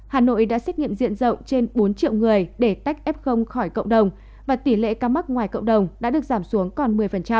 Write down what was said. hà nội đã xét nghiệm diện rộng trên bốn triệu người để tách f khỏi cộng đồng và tỷ lệ ca mắc ngoài cộng đồng đã được giảm xuống còn một mươi